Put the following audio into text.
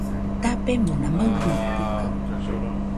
Dabemona maɨjɨitɨkaɨ